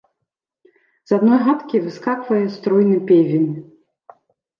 З адной хаткі выскаквае стройны певень.